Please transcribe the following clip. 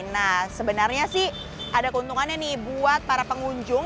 nah sebenarnya sih ada keuntungannya nih buat para pengunjung